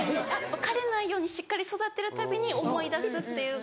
枯れないようにしっかり育てるたびに思い出すっていうか。